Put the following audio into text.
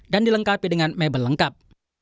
dan dilengkapi dengan mebel lengkap